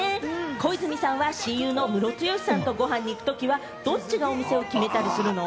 小泉さんは親友のムロツヨシさんとご飯に行くときは、どっちがお店を決めたりするの？